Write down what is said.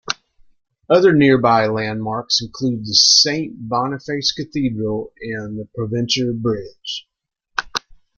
Other nearby landmarks include the Saint Boniface Cathedral and the Provencher Bridge.